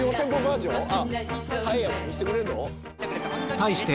対して